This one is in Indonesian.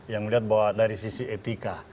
yang melihat bahwa dari sisi etika